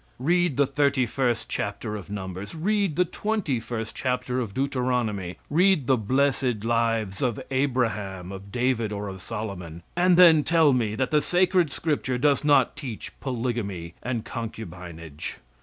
Read the thirty first chapter of Numbers, read the twenty first chapter of Deuteronomy, read the blessed lives of Abraham, of David or of Solomon, and then tell me that the sacred scripture does not teach polygamy and concubinage!